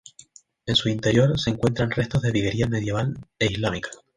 En su interior se encuentran restos de viguería medieval e islámica.